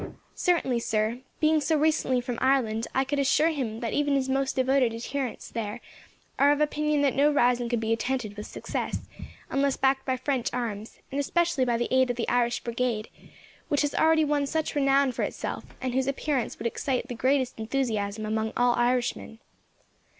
"Certainly, sir. Being so recently from Ireland, I could assure him that even his most devoted adherents, there, are of opinion that no rising could be attended with success, unless backed by French arms, and especially by the aid of the Irish Brigade, which has already won such renown for itself, and whose appearance would excite the greatest enthusiasm among all Irishmen."